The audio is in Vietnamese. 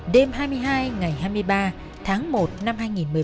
đêm hai mươi hai ngày hai mươi ba tháng một năm hai nghìn một mươi bảy